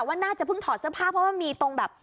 ว่าน่าจะเพิ่งถอดเสื้อผ้าเพราะว่ามีตรงแบบ